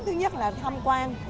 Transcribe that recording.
thứ nhất là tham quan